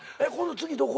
次どこ？